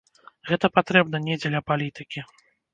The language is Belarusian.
Гэта патрэбна не дзеля палітыкі.